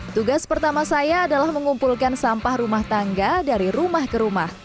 tugas pertama saya adalah mengumpulkan sampah rumah tangga dari rumah ke rumah